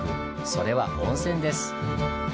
それは温泉です！